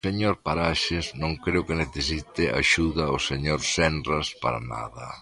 Señor Paraxes, non creo que necesite axuda o señor Senras para nada.